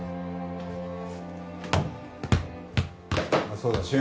あっそうだ瞬。